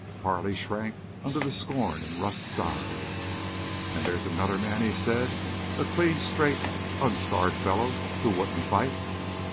Carley shrank under the scorn in Rust's eyes. "And there's another man," he said, "a clean, straight, unscarred fellow who wouldn't fight!"